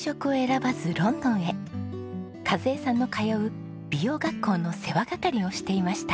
和枝さんの通う美容学校の世話係をしていました。